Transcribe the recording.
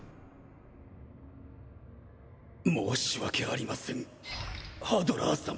申し訳ありませんハドラー様。